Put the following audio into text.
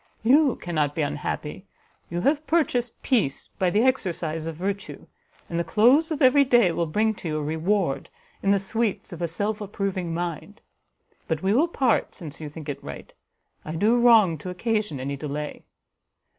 You cannot be unhappy, you have purchased peace by the exercise of virtue, and the close of every day will bring to you a reward, in the sweets of a self approving mind. But we will part, since you think it right; I do wrong to occasion any delay."